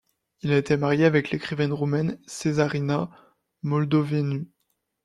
Il a été marié avec l'écrivaine roumaine Cezarina Moldoveanu.